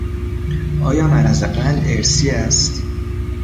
آیا مرض قند ارثی است؟